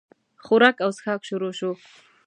خوراک او چښاک شروع شو.